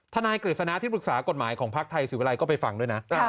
นายกฤษณะที่ปรึกษากฎหมายของภักดิ์ไทยศิวิลัยก็ไปฟังด้วยนะ